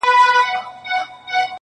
په دنیا کي « اول ځان پسې جهان دی »٫